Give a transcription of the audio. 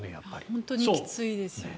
本当にきついですよね。